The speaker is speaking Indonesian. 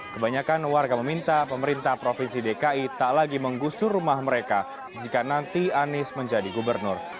kebanyakan warga meminta pemerintah provinsi dki tak lagi menggusur rumah mereka jika nanti anies menjadi gubernur